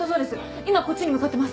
今こっちに向かってます。